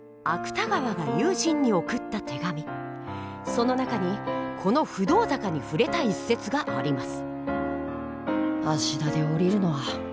その中にこの不動坂に触れた一節があります。